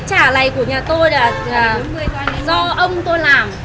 cái chả này của nhà tôi là do ông tôi làm